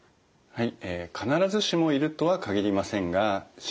はい。